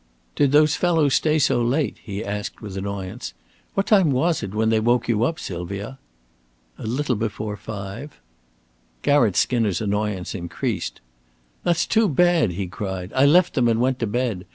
"Did those fellows stay so late?" he asked with annoyance. "What time was it when they woke you up, Sylvia?" "A little before five." Garratt Skinner's annoyance increased. "That's too bad," he cried. "I left them and went to bed.